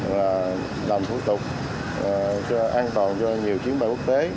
là làm thủ tục an toàn cho nhiều chiến bay quốc tế